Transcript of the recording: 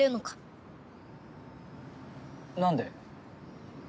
なんで？